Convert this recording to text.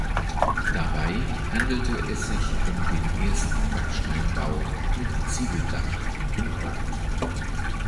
Dabei handelte es sich um den ersten Backsteinbau mit Ziegeldach im Ort.